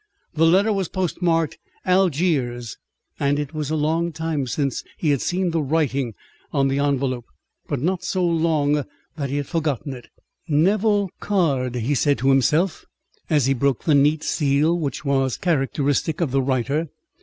The letter was post marked Algiers, and it was a long time since he had seen the writing on the envelope but not so long that he had forgotten it. "Nevill Caird!" he said to himself as he broke the neat seal which was characteristic of the writer.